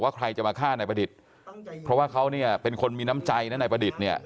ใครจะมาฆ่านายประดิษฐ์เพราะว่าเขาเนี่ยเป็นคนมีน้ำใจนะนายประดิษฐ์เนี่ย